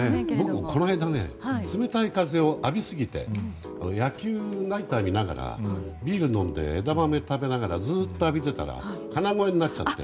僕もこの間冷たい風を浴びすぎて野球、ナイター見ながらビール飲んで枝豆食べながらずっと浴びていたら鼻声になっちゃって。